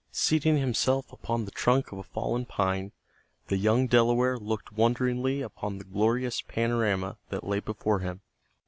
Seating himself upon the trunk of a fallen pine the young Delaware looked wonderingly upon the glorious panorama that lay before him.